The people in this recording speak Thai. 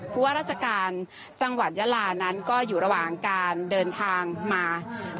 ว่าราชการจังหวัดยาลานั้นก็อยู่ระหว่างการเดินทางมา